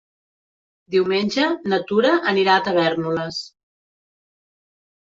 Diumenge na Tura anirà a Tavèrnoles.